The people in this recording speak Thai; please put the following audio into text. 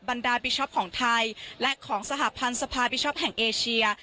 ดาบิช็อปของไทยและของสหพันธ์สภาพิช็อปแห่งเอเชีย